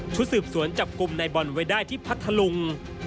สืบสวนจับกลุ่มในบอลไว้ได้ที่พัทธลุง